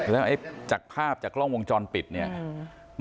แล้วไอ้จากภาพจากกล้องวงจรปิดเนี่ย